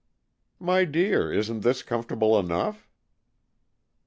"My dear! Isn't this comfortable enough?"